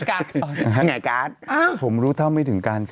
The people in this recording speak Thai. ครับผมไงกันไงกันอ่าผมรู้เท่าไม่ถึงการครับ